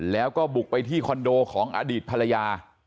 แล้วก็บุกไปที่คอนโดของอดีตภรรยา